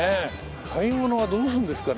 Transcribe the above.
買い物はどうするんですかね？